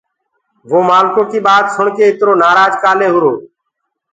وو مآلکو ڪي ٻآت سُڻ ڪي اِتر نآرآج ڪآلي هوُرو۔